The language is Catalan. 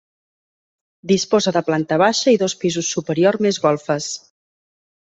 Disposa de planta baixa i dos pisos superior més golfes.